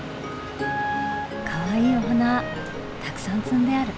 かわいいお花たくさん積んである。